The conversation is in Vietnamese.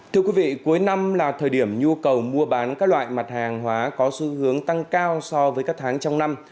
thưa quý vị cuối năm là thời điểm nhu cầu mua bán các loại mặt hàng hóa có xu hướng tăng cao so với các tháng trong năm